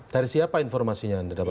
dari siapa informasinya anda dapat